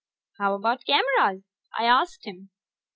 "How about cameras?" I asked him.